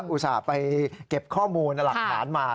อุตส่าห์ไปเก็บข้อมูลหลักฐานมา